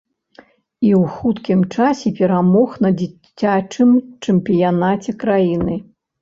І ў хуткім часе перамог на дзіцячым чэмпіянаце краіны.